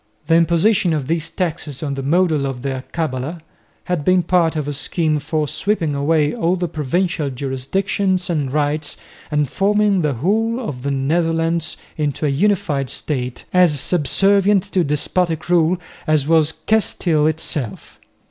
The imposition of these taxes on the model of the alcabala had been part of a scheme for sweeping away all the provincial jurisdictions and rights and forming the whole of the Netherlands into a unified state, as subservient to despotic rule as was Castile itself.